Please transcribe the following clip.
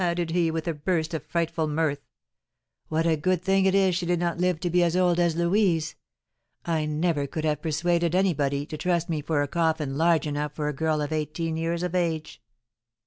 ha!" added he, with a burst of frightful mirth; "what a good thing it is she did not live to be as old as Louise! I never could have persuaded anybody to trust me for a coffin large enough for a girl of eighteen years of age."